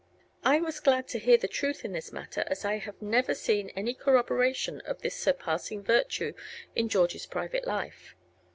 I was glad to heare the Truth in this matter as I have never seen any Corroboration of this surpassing Virtue in George's private Life.